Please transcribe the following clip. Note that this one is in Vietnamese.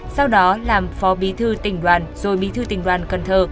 sau đó làm phò bi thư tỉnh đoàn rồi bi thư tỉnh đoàn cần thơ